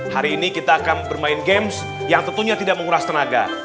hari ini kita akan bermain games yang tentunya tidak menguras tenaga